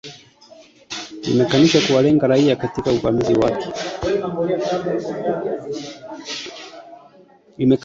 Imekanusha kuwalenga raia katika uvamizi wake